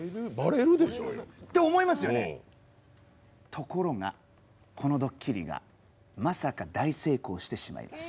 ところがこのドッキリがまさか大成功してしまいます。